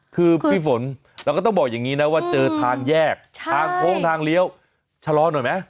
คือพี่ฝนเราก็ต้องบอกอย่างนี้นะว่าเจอทางแยกทางโค้งทางเลี้ยวชะลอหน่อยไหม